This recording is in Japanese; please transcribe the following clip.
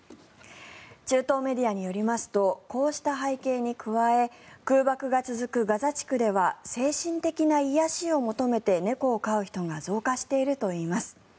中東メディアによりますとこうした背景に加え空爆が続くガザ地区では精神的な癒やしを求めて猫を飼う人が増加しているといいます。